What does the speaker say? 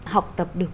học tập được